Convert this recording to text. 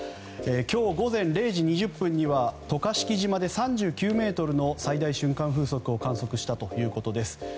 今日午前０時２０分には渡嘉敷島で３９メートルの最大瞬間風速を観測したということです。